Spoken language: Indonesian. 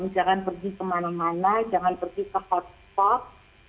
jangan pergi kemana mana jangan pergi ke hotspot